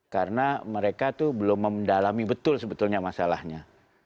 karena mereka tuh belum mendalami betul sebetulnya masalahnya